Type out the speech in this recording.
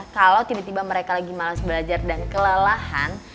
kalau tiba tiba mereka lagi malas belajar dan kelelahan